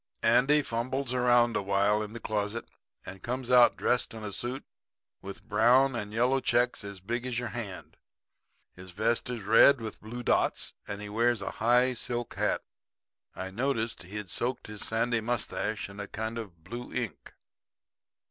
"Andy fumbles around awhile in the closet and comes out dressed in a suit with brown and yellow checks as big as your hand. His vest is red with blue dots, and he wears a high silk hat. I noticed he'd soaked his sandy mustache in a kind of blue ink.